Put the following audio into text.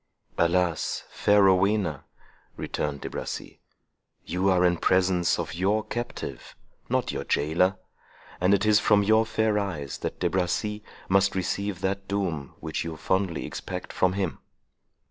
"Alas! fair Rowena," returned De Bracy, "you are in presence of your captive, not your jailor; and it is from your fair eyes that De Bracy must receive that doom which you fondly expect from him."